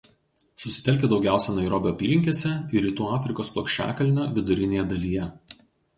Susitelkę daugiausia Nairobio apylinkėse ir Rytų Afrikos plokščiakalnio vidurinėje dalyje.